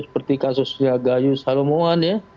seperti kasusnya gayus halomoan ya